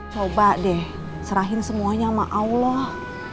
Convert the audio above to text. coba deh serahin semuanya sama allah